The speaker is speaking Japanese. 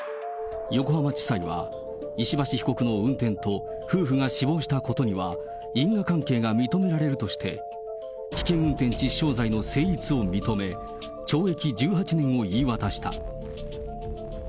横浜地裁は、石橋被告の運転と夫婦が死亡したことには因果関係が認められるとして、危険運転致死傷罪の成立を認め、懲役１８年を言い渡した。